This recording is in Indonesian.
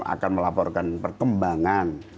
ya saya akan melaporkan perkembangan